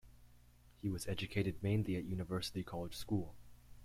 He was educated mainly at University College School.